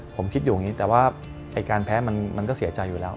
ผมคิดอยู่อย่างนี้แต่ว่าไอ้การแพ้มันก็เสียใจอยู่แล้ว